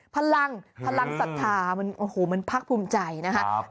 พลังพลังศรัทธามันพักภูมิใจนะครับ